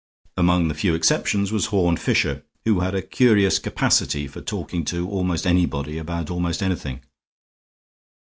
Among the few exceptions was Horne Fisher, who had a curious capacity for talking to almost anybody about almost anything.